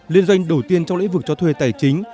liên doanh đầu tiên trong lĩnh vực cho thuê tài chính